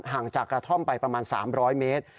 ห่างจากกระท่อมไปประมาณ๓๐๐เมตร